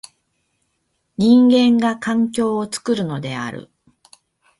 人間が環境を作るのである。